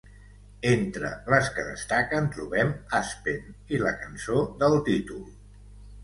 Entre les que destaquen, trobem "Aspen" i la cançó del títol.